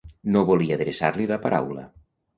No volia adreçar-li la paraula.